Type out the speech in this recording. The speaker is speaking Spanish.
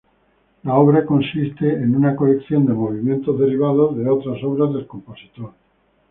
La obra consiste en una colección de movimientos derivados de otras obras del compositor.